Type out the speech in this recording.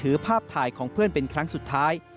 ภาพถ่ายของเพื่อนเป็นครั้งสุดท้าย